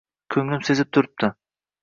Ko‘nglim sezib turibdi.